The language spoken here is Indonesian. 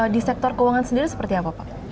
di sektor keuangan sendiri seperti apa pak